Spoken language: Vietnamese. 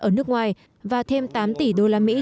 ở nước ngoài và thêm tám tỷ đô la mỹ